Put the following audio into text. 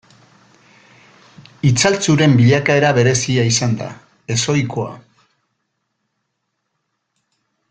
Itzaltzuren bilakaera berezia izan da, ez ohikoa.